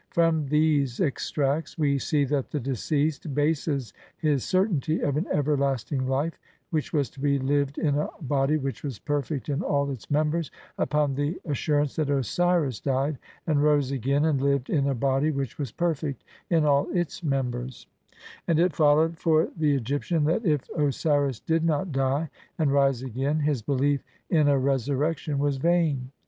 From these extracts we see that the deceased bases his certainty of an everlasting life, which was to be lived in a body which was perfect in all its members, upon the as surance that Osiris died, and rose again, and lived in a body which was perfect in all its members ; and it followed for the Egyptian that if Osiris did not die and rise again his belief in a resurrection was vain.